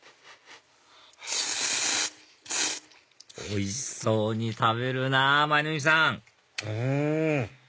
おいしそうに食べるなぁ舞の海さんうん！